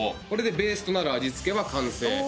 これでベースとなる味付けは完成。